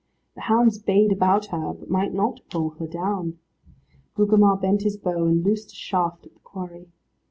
The hounds bayed about her, but might not pull her down. Gugemar bent his bow, and loosed a shaft at the quarry.